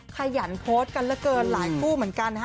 ขยันโพสต์กันเกินหลายคู่เหมือนกัน